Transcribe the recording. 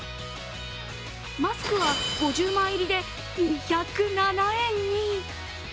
マスクは５０枚入りで２０７円に。